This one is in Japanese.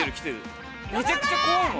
めちゃくちゃ怖いもん。